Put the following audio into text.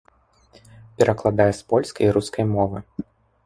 Перакладае з польскай і рускай мовы.